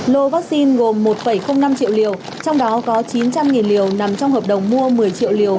lô vaccine gồm một năm triệu liều trong đó có chín trăm linh liều nằm trong hợp đồng mua một mươi triệu liều